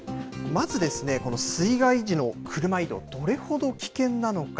まず、この水害時の車移動、どれほど危険なのか。